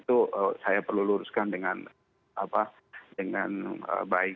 itu saya perlu luruskan dengan baik